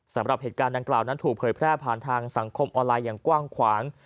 สำหรับเหตุการณ์ดังกล่าวนั้นถูกเผยแพร่ผ่านทางสังคมออนไลน์อย่างกว้างขวาง